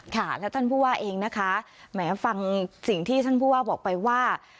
ค่ะแล้วท่านผู้ว่าเองนะคะแหมฟังสิ่งที่ท่านผู้ว่าบอกไปว่า